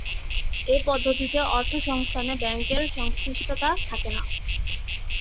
এ পদ্ধতিতে অর্থসংস্থানে ব্যাংকের সংশ্লিষ্টতা থাকে না।